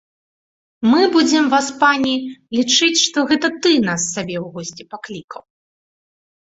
Мы будзем, васпане, лічыць, што гэта ты нас сабе ў госці паклікаў.